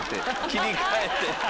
・切り替えて。